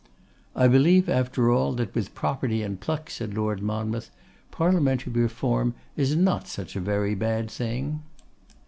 'I believe, after all, that with property and pluck,' said Lord Monmouth, 'Parliamentary Reform is not such a very bad thing.